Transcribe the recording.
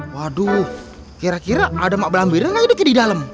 waduh kira kira ada mak blambir yang lagi di dalam